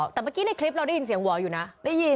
แต่เมื่อกี้ในคลิปเราได้ยินเสียงหวออยู่นะได้ยิน